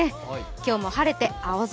今日も晴れて、青空。